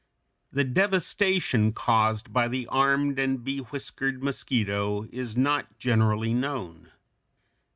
The devastation caused by the armed and bewhiskered mosquito is not generally known.